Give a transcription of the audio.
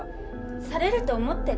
されると思ってる？